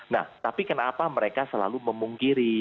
nah tapi kenapa mereka selalu memungkiri